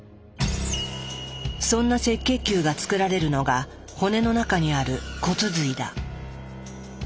そんな赤血球が作られるのが骨の中にある骨髄だ。